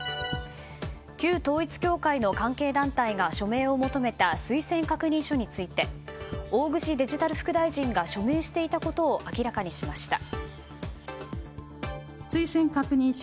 旧統一教会の関係団体が署名を求めた推薦確認書について大串デジタル副大臣が署名していたことを明らかにしました。